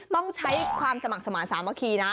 ต้องใช้ความสมัครสมาธิสามัคคีนะ